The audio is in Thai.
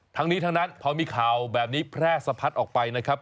ทั้งนี้ทั้งนั้นพอมีข่าวแบบนี้แพร่สะพัดออกไปนะครับ